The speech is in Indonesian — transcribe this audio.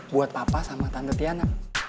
buat papa sama tante tiana